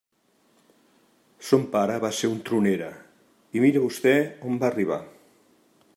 Son pare va ser un tronera, i mire vostè on va arribar.